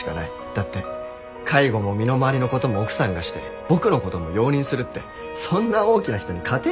だって介護も身の回りの事も奥さんがして僕の事も容認するってそんな大きな人に勝てないですよ